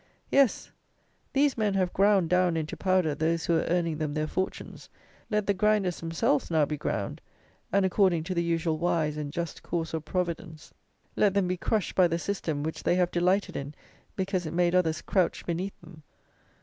Yes, these men have ground down into powder those who were earning them their fortunes: let the grinders themselves now be ground, and, according to the usual wise and just course of Providence, let them be crushed by the system which they have delighted in, because it made others crouch beneath them."